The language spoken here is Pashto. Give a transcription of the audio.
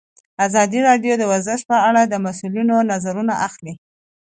ازادي راډیو د ورزش په اړه د مسؤلینو نظرونه اخیستي.